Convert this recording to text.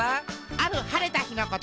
あるはれたひのこと。